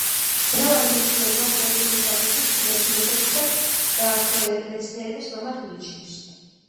მრავალი მეცნიერი მას ბერძნული ტრადიციის პირველ ფილოსოფოსად და ასევე მეცნიერების მამად მიიჩნევს.